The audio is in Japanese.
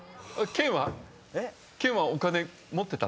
健はお金持ってたの？